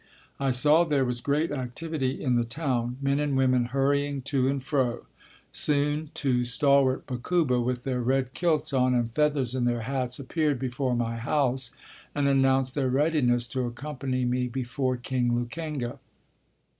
I saw there was great activity in the town, men and women hurrying to and fro. Soon two stalwart Bakuba, with their red kilts on and feathers in their hats appeared before my house and announced their readiness to accompany me before King Lukenga.